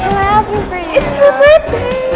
saya senang bisa bertemu kamu